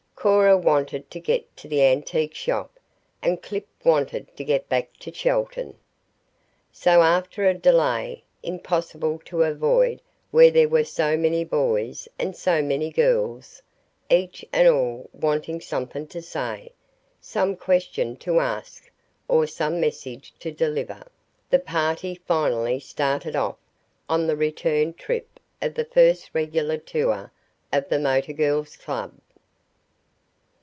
Cora wanted to get to the antique shop, and Clip wanted to get back to Chelton. So after a delay, impossible to avoid where there were so many boys and so many girls, each and all wanting something to say, some question to ask, or some message to deliver, the party finally started off on the return trip of the first regular tour of the Motor Girls' Club.